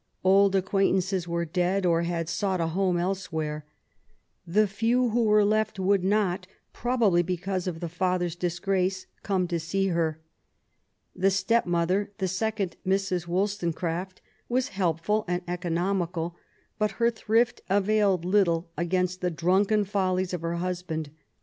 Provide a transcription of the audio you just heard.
Old acquaintances were dead, or had sought a home elsewhere. The few who were left would not, probably because of the father's disgrace, come to see her. The step mother^ the second Mrs. Wollstonecraft^ was helpful and economical; but her thrift availed little against the drunken follies of her husband.